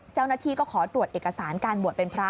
เจ้าหน้าที่ก็ขอตรวจเอกสารการบวชเป็นพระ